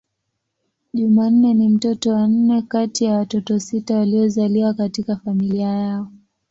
Jumanne ni mtoto wa nne kati ya watoto sita waliozaliwa katika familia yao.